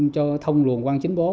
cho thông luồng quang chính bố